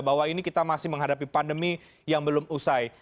bahwa ini kita masih menghadapi pandemi yang belum usai